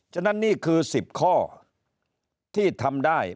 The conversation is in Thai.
ฉะนั้นนี่คือ๑๐ข้อที่ทำได้